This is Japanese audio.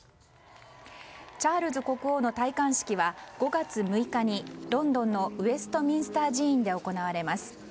チャールズ国王の戴冠式は５月６日にロンドンのウェストミンスター寺院で行われます。